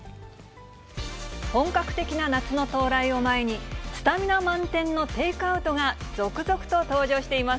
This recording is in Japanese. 本格的な夏の到来を前に、スタミナ満点のテイクアウトが続々と登場しています。